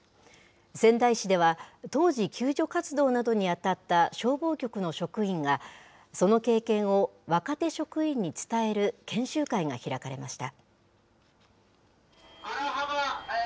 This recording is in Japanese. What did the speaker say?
仙台市では、当時救助活動などに当たった消防局の職員が、その経験を若手職員に伝える研修会が開かれました。